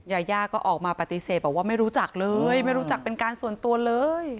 ยายาก็ออกมาปฏิเสธบอกว่าไม่รู้จักเลยไม่รู้จักเป็นการส่วนตัวเลย